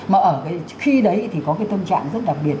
mà ở khi đấy thì có cái tâm trạng rất đặc biệt